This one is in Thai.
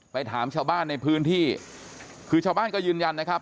ถามชาวบ้านในพื้นที่คือชาวบ้านก็ยืนยันนะครับ